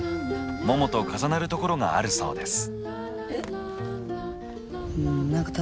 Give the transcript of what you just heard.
ももと重なるところがあるそうです。